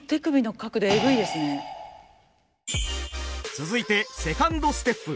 続いてセカンドステップ。